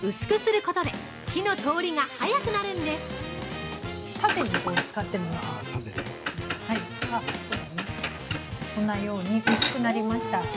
こんなように薄くなりました。